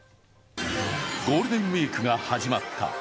ゴールデンウイークが始まった。